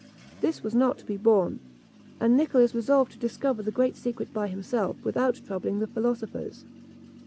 This was not to be borne; and Nicholas resolved to discover the great secret by himself, without troubling the philosophers.